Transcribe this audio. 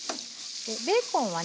ベーコンはね